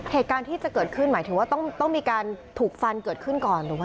เหตุการณ์ที่จะเกิดขึ้นหมายถึงว่าต้องมีการถูกฟันเกิดขึ้นก่อนถูกไหม